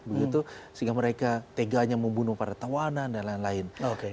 begitu sehingga mereka teganya membunuh para tawanan dan lain lain